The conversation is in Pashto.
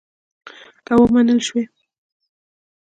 که ومنل شوې.